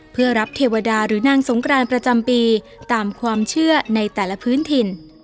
เพื่อรับเทวดาหรือนางสงกรานประจำปีตามความเชื่อในแต่ละพื้นถิ่น